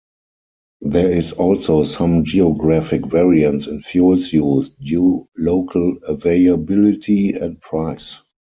There is also some geographic variance in fuels used, due local availability and price.